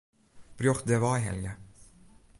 Berjocht dêrwei helje.